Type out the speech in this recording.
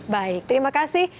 baik terima kasih